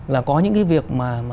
là có những cái việc mà